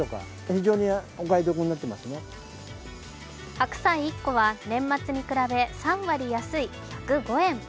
白菜１個は年末に比べ３割安い１０５円。